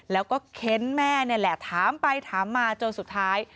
แล้วก็เค้นแม่นี่แหละถามไปถามมาจนสุดท้าย